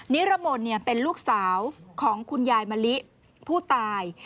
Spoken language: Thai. นิรมนต์เป็นลูกสาวของคุณยายมะลิผู้ตาย